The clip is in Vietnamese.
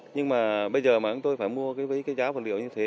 nhưng mà bây giờ mà chúng tôi phải mua với cái giá vật liệu như thế